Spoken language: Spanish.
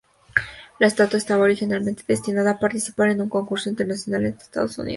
La estatua estaba originalmente destinada a participar en un concurso internacional en Estados Unidos.